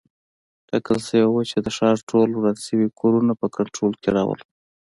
ټاکل شوي وه چې د ښار ټول وران شوي کورونه په کنټرول کې راولو.